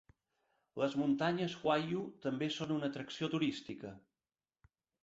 Les muntanyes Huaiyu també són una atracció turística.